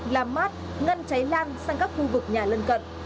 làm mát ngăn cháy lan sang các khu vực nhà lân cận